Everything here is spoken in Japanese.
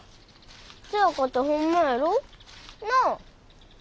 せやかてホンマやろ？なあ？